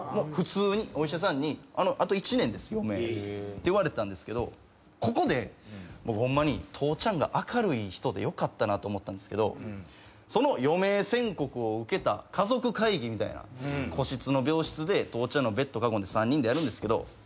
普通にお医者さんに「あと１年です余命」って言われたんですけどここでホンマに父ちゃんが明るい人でよかったなと思ったんですけどその余命宣告を受けた家族会議みたいな個室の病室で父ちゃんのベッド囲んで３人でやるんですけど。